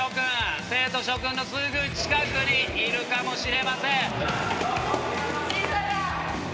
生徒諸君のすぐ近くにいるかもしれません。